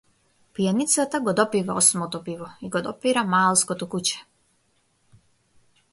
Пијаницата го допива осмото пиво и го допира маалското куче.